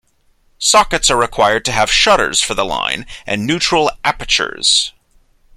Sockets are required to have shutters for the line and neutral apertures.